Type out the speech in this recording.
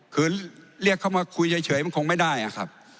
คือเรียกเขามาคุยเฉยมันคงไม่ได้อะครับ